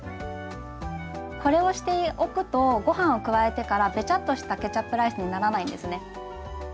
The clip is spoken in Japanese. これをしておくとごはんを加えてからべちゃっとしたケチャップライスにならないんですね。